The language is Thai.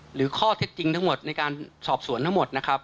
หรือข้อเท็จจริงทั้งหมดในการสอบสวนทั้งหมดนะครับ